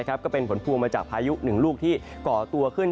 ก็เป็นผลพวงมาจากพายุหนึ่งลูกที่ก่อตัวขึ้น